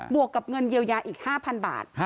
วกกับเงินเยียวยาอีก๕๐๐บาท